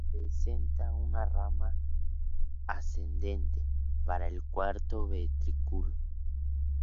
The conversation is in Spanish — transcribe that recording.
Presenta una "rama ascendente" para el cuarto ventrículo.